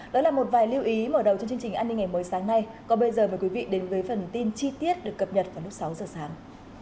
đó là một vài lưu ý mở đầu cho chương trình an ninh ngày mới sáng nay còn bây giờ mời quý vị đến với phần tin chi tiết được cập nhật vào lúc sáu giờ sáng